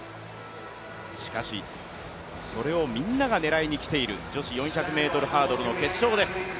しかし、それをみんなが狙いにきている女子４００ｍハードルの決勝です。